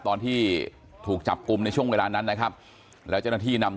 ตอนที่ถูกจับกลุ่มในช่วงเวลานั้นนะครับแล้วเจ้าหน้าที่นำ